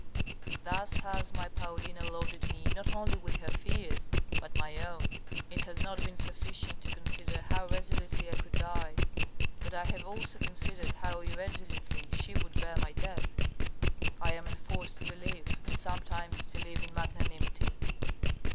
Thus has my Paulina loaded me not only with her fears, but my own; it has not been sufficient to consider how resolutely I could die, but I have also considered how irresolutely she would bear my death. I am enforced to live, and sometimes to live in magnanimity."